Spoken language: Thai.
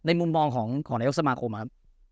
มุมมองของนายกสมาคมครับ